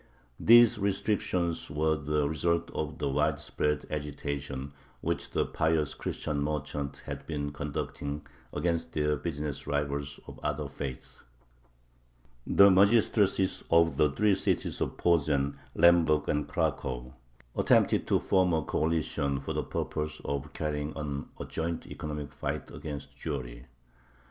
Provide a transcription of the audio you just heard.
These restrictions were the result of the widespread agitation which the pious Christian merchants had been conducting against their business rivals of other faiths. The magistracies of the three cities of Posen, Lemberg, and Cracow, attempted to form a coalition for the purpose of carrying on a joint economic fight against Jewry.